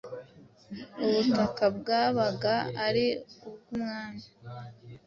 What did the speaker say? ubutaka bwabaga ari ubw’umwami,